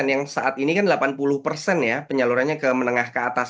yang saat ini kan delapan puluh persen ya penyalurannya ke menengah ke atas